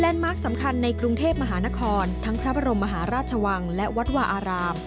มาร์คสำคัญในกรุงเทพมหานครทั้งพระบรมมหาราชวังและวัดวาอาราม